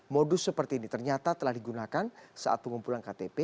modus seperti ini ternyata telah digunakan saat pengumpulan ktp